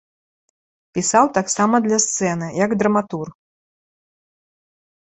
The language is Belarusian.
Пісаў таксама для сцэны, як драматург.